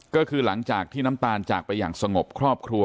ก็คือหลังจากที่น้ำตาลจากไปอย่างสงบครอบครัว